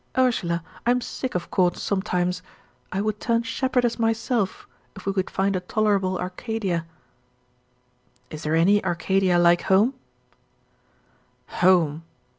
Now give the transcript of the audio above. Ursula, I am sick of courts sometimes. I would turn shepherdess myself, if we could find a tolerable Arcadia." "Is there any Arcadia like home?"